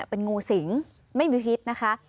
เป็นงูสิงไม่มีพิษนะคะ